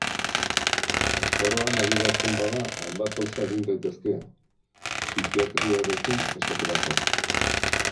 Haurtzaroan adierazten bada hainbat gauza egin daitezke, psikiatriarekin esaterako.